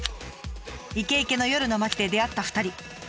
イケイケの夜の街で出会った２人。